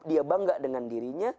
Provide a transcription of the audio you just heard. dia bangga dengan dirinya